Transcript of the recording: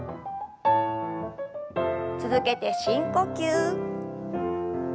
続けて深呼吸。